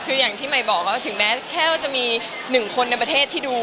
คืออย่างที่ใหม่บอกว่าถึงแม้แค่ว่าจะมี๑คนในประเทศที่ดู